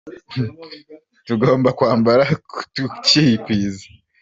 Tugomba kwambara tu kikwiza.